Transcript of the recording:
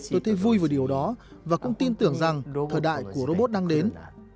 tôi thấy vui vào điều đó và cũng tin tưởng rằng thời đại của robot đang đến